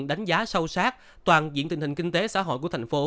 đánh giá sâu sát toàn diện tình hình kinh tế xã hội của thành phố